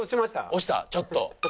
押したちょっと。